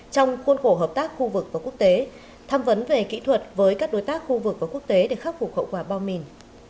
trong khuôn khổ hợp tác khu vực và quốc tế tham vấn về kỹ thuật với các đối tác khu vực và quốc tế để khắc phục hậu quả bom mìn